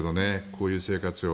こういう生活を。